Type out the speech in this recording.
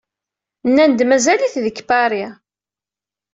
Nnan-d mazal-it deg Paris.